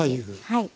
はい。